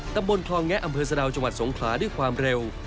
ตำบลคลองแงะอำเภอสะดาวจังหวัดสงขลาด้วยความเร็ว